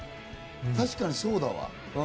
確かにそうだわ。